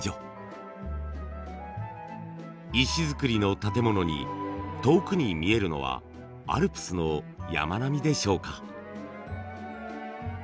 石造りの建物に遠くに見えるのはアルプスの山並みでしょうか。